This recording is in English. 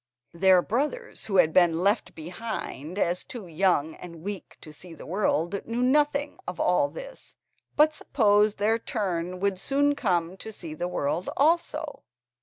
Their brothers, who had been left behind as too young and weak to see the world, knew nothing of all this, but supposed their turn would soon come to see the world also.